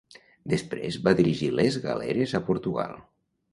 Després va dirigir les galeres a Portugal.